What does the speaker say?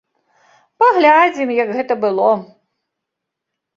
Паглядзім, як гэта было!